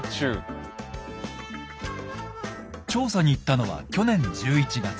調査に行ったのは去年１１月。